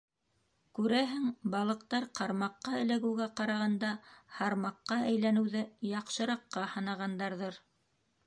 Күрәһең, балыҡтар ҡармаҡҡа эләгеүгә ҡарағанда һармаҡҡа әйләнеүҙе яҡшыраҡҡа һанағандарҙыр.